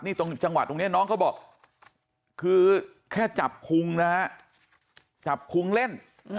นี่ตรงจังหวัดตรงเนี่ยน้องก็บอกคือแค่จับคุงนะจับคุงเล่น